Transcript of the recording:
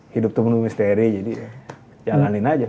hidup tuh penuh misteri jadi jalanin aja